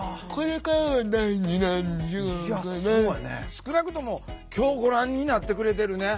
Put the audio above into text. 少なくとも今日ご覧になってくれてるね